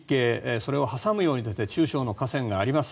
それを挟むように中小の河川があります。